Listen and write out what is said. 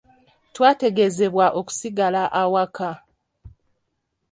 Twategeezebwa okusigala awaka.